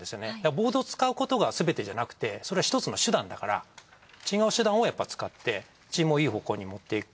ボードを使うことがすべてじゃなくてそれは一つの手段だから違う手段をやっぱ使ってチームをいい方向に持っていく。